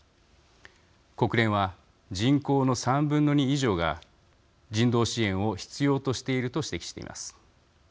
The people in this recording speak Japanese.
国連は、人口の３分の２以上が人道支援を必要としていると指摘しています。